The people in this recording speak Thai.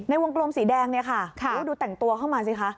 วงกลมสีแดงเนี่ยค่ะดูแต่งตัวเข้ามาสิคะ